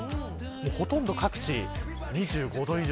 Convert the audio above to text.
ほとんど各地２５度以上